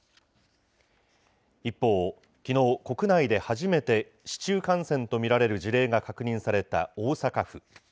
一方、きのう、国内で初めて市中感染と見られる事例が確認された大阪府。